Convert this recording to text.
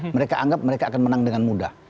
mereka anggap mereka akan menang dengan mudah